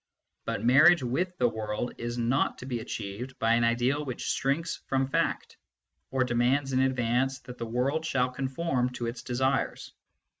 But marriage with the world is not to be achieved by an ideal which shrinks from fact, or demands in advance that the world shall conform to its desires.